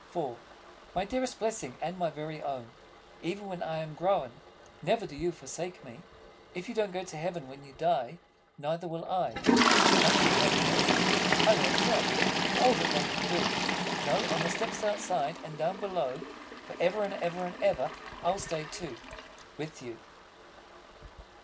IV My dearest Blessing and my Very Own, Even when I am grown, Never do you forsake me! If you don't go to heaven when you die, Neither will I: Nothing can ever make me! I won't go, For all that they can do. No; on the steps Outside, and down, below, Forever and ever and ever, I'll stay too! With You.